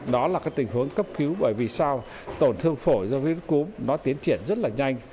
đó là tình huống cấp cứu bởi vì sao tổn thương phổi do virus cúm nó tiến triển rất là nhanh